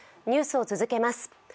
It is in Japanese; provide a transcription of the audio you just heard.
ニュースを続けます。